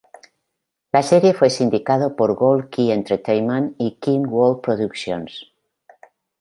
La serie fue sindicado por Gold Key Entertainment y King World Productions.